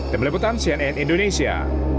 demi liputan cnn indonesia